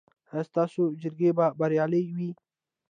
ایا ستاسو جرګې به بریالۍ وي؟